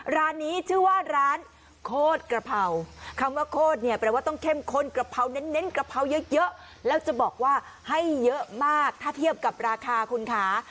ร้านนี้ชื่อว่าร้านโคตรกระเพราคำว่าโคตรเนี่ยแปลว่าต้องเข้มข้นกระเพราเน้นกะเพราเยอะแล้วจะบอกว่าให้เยอะมากถ้าเทียบกับราคาคุณคะ